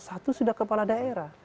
satu sudah kepala daerah